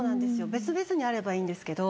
別々にあればいいんですけど。